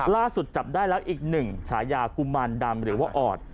ล่าสุดจับได้แล้วอีก๑ชายากุมาณดำหรือออด